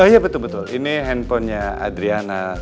oh iya betul betul ini handphonenya adriana